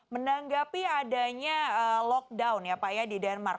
menanggapi adanya lockdown ya pak ya di denmark